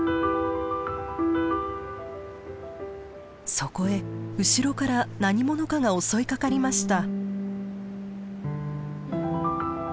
そこへ後ろから何者かが襲いかかりました。